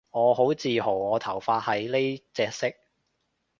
我好自豪我頭髮係呢隻色